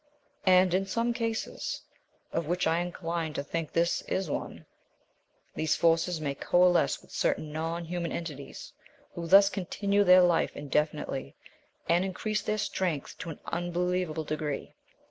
And, in some cases of which I incline to think this is one these forces may coalesce with certain non human entities who thus continue their life indefinitely and increase their strength to an unbelievable degree.